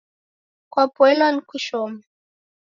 Kwapoilwa ni kushoma?